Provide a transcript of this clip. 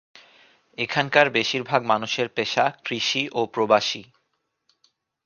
এখানকার বেশিরভাগ মানুষের পেশা কৃষি ও প্রবাসী।